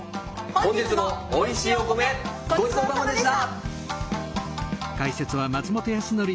本日もおいしいお米ごちそうさまでした。